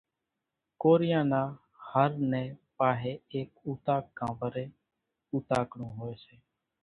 ڪورِيان نا هر نيَ پاۿيَ ايڪ اُوطاق ڪان وريَ اُوتاڪڙون هوئيَ سي۔